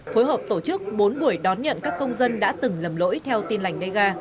phối hợp tổ chức bốn buổi đón nhận các công dân đã từng lầm lỗi theo tin lành dega